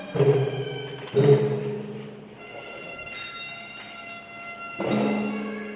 สวัสดีครับทุกคน